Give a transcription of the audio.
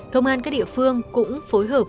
công an các địa phương cũng phối hợp